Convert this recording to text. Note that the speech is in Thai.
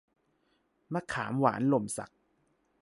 มะขามหวานหล่มสัก